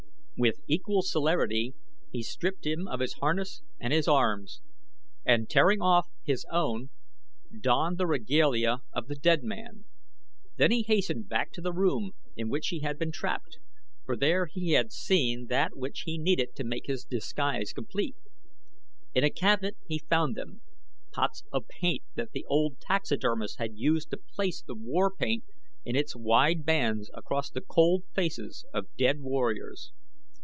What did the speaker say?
With equal celerity he stripped him of his harness and his arms, and tearing off his own, donned the regalia of the dead man. Then he hastened back to the room in which he had been trapped, for there he had seen that which he needed to make his disguise complete. In a cabinet he found them pots of paint that the old taxidermist had used to place the war paint in its wide bands across the cold faces of dead warriors.